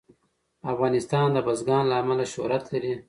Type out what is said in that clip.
افغانستان د بزګان له امله شهرت لري.